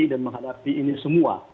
dan menghadapi ini semua